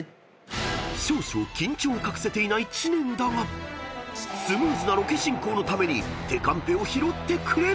［少々緊張を隠せていない知念だがスムーズなロケ進行のために手カンペを拾ってくれ］